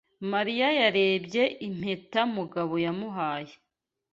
Mariya yarebye impeta Mugabo yamuhaye.